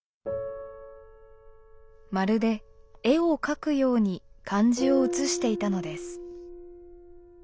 まるで絵を描くように漢字を写していたのです。